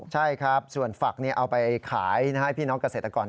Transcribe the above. ใช่ครับส่วนฝักเอาไปขายให้พี่น้องเกษตรกร